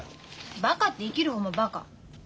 バカって言い切る方もバカ。